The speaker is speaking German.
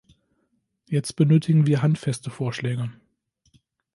Jetzt benötigen wir handfeste Vorschläge!